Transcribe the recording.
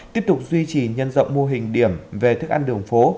tiếp tục duy trì nhân rộng mô hình điểm về thức ăn đường phố